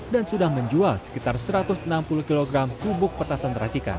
dan sudah menjual sekitar satu ratus enam puluh kilogram bubuk petasan racikan